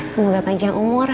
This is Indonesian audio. semoga panjang umur